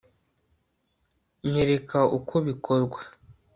nyereka uko bikorwa